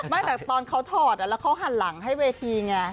ไม่แต่ตอนเขาถอดแล้วเขาหันหลังให้เวทีไง